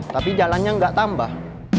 tapi jalannya nggak tambah